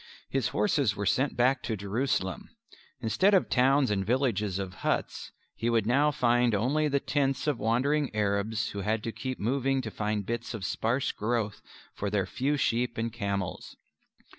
His horses were sent back to Jerusalem. Instead of towns and villages of huts, he would now find only the tents of wandering Arabs who had to keep moving to find bits of sparse growth for their few sheep and camels.